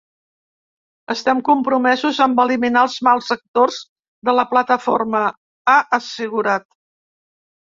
Estem compromesos amb eliminar els mals actors de la plataforma, ha assegurat.